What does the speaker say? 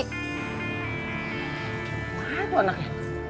gimana tuh anaknya